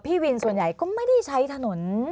พี่วินส่วนใหญ่ก็ไม่ได้ใช้ถนน